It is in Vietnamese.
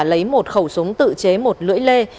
lấy một khẩu súng tự chế một lưỡi lê